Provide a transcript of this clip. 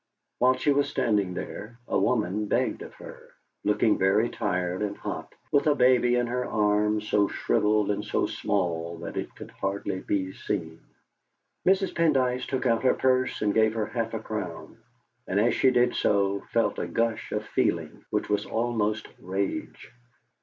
While she was standing there a woman begged of her, looking very tired and hot, with a baby in her arms so shrivelled and so small that it could hardly be seen. Mrs. Pendyce took out her purse and gave her half a crown, and as she did so felt a gush of feeling which was almost rage.